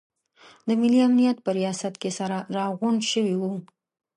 د ملي امنیت په ریاست کې سره راغونډ شوي وو.